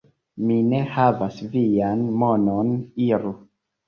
Mi ne havas vian monon, iru!